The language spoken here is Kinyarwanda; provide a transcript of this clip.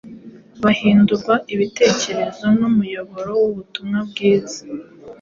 bahindurwa ibikoresho n’umuyoboro wubutumwa bwiza